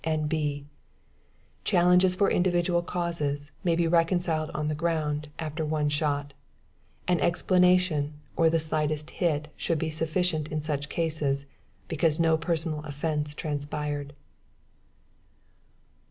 "N.B. Challenges for individual causes, may be reconciled on the ground, after one shot. An explanation, or the slightest hit should be sufficient in such cases, because no personal offence transpired.